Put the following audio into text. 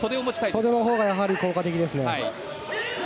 袖のほうがやはり効果的ですね。